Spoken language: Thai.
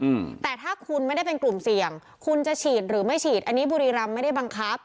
อืมแต่ถ้าคุณไม่ได้เป็นกลุ่มเสี่ยงคุณจะฉีดหรือไม่ฉีดอันนี้บุรีรำไม่ได้บังคับ